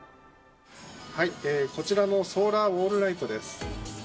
こちらのソーラーウォールライトです。